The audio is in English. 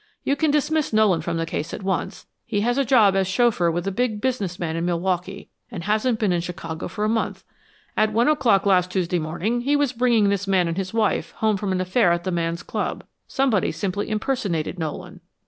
You can dismiss Nolan from the case at once. He has a job as chauffeur with a big business man in Milwaukee, and hasn't been in Chicago for a month. At one o'clock last Tuesday morning he was bringing this man and his wife home from an affair at the man's club. Someone simply impersonated Nolan."